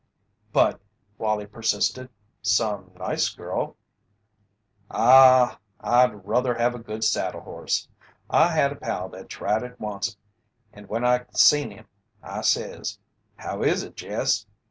"But," Wallie persisted, "some nice girl " "Aw w I'd ruther have a good saddle horse. I had a pal that tried it onct, and when I seen him, I says: 'How is it, Jess?'